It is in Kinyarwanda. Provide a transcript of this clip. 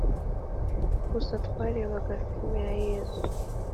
gusa twarebaga filime ya yezu